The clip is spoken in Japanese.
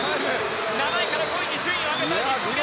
７位から５位に順位を上げた日本。